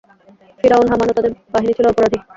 ফিরআউন, হামান ও তাদের বাহিনী ছিল অপরাধী।